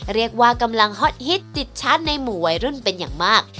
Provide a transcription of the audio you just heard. เรียกว่ากำลังฮอตฮิตติดชัดในหมู่วัยรุ่นเป็นอย่างมาก